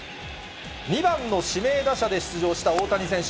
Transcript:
２番の指名打者で出場した大谷選手。